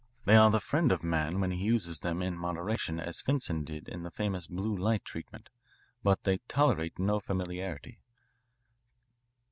They are the friend of man when he uses them in moderation as Finsen did in the famous blue light treatment. But they tolerate no familiarity.